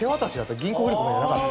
銀行振込じゃなかった。